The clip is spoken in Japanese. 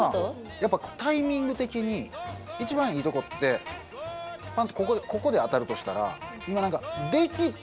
やっぱタイミング的に一番いいとこってパーンとここで当たるとしたら今なんか出きった